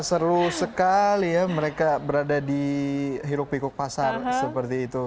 seru sekali ya mereka berada di hiruk pikuk pasar seperti itu